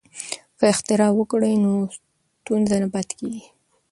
که اختراع وکړو نو ستونزه نه پاتې کیږي.